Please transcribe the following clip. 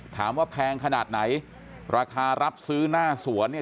แพงขนาดไหนราคารับซื้อหน้าสวนเนี่ย